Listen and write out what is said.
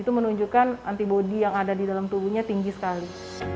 itu menunjukkan antibody yang ada di dalam tubuhnya tinggi sekali